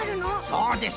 そうです。